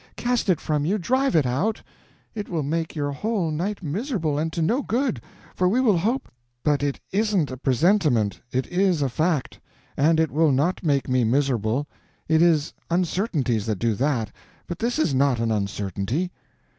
Cast it from you!—drive it out! It will make your whole night miserable, and to no good; for we will hope—" "But it isn't a presentiment—it is a fact. And it will not make me miserable. It is uncertainties that do that, but this is not an uncertainty."